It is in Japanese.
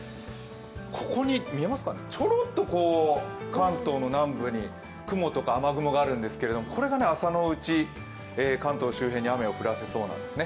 ここにちょろっと関東の南部に雲とか雨雲があるんですがこれが朝のうち、関東周辺に雨を降らせそうなんですね。